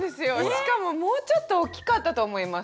しかももうちょっと大きかったと思います